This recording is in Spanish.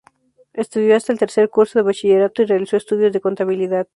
Estudió hasta el tercer curso de bachillerato y realizó estudios de contabilidad.